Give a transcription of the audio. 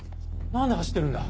何で走ってるんだ？